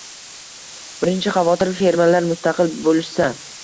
Birinchi xavotir – fermerlar mustaqil bo‘lishsa